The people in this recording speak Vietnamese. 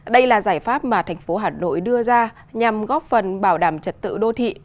đây là giải pháp mà thành phố hà nội đưa ra nhằm góp phần bảo đảm trật tự đô thị